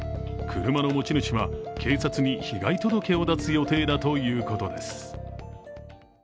車の持ち主は、警察に被害届を出す予定だということです。